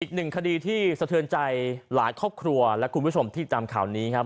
อีกหนึ่งคดีที่สะเทือนใจหลายครอบครัวและคุณผู้ชมที่จำข่าวนี้ครับ